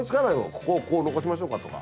ここをこう残しましょうかとか。